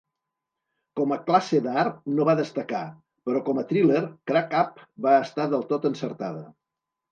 Com a classe d'art no va destacar, però com a thriller, 'Crack-Up' va estar del tot encertada.